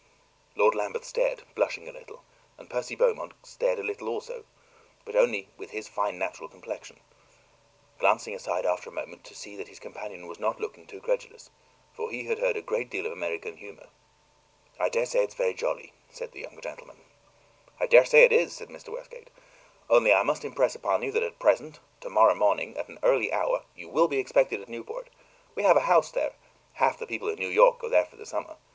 Lord Lambeth stared, blushing a little; and Percy Beaumont stared a little also but only with his fine natural complexion glancing aside after a moment to see that his companion was not looking too credulous, for he had heard a great deal of American humor. "I daresay it is very jolly," said the younger gentleman. "I daresay it is," said Mr. Westgate. "Only I must impress upon you that at present tomorrow morning, at an early hour you will be expected at Newport. We have a house there; half the people in New York go there for the summer.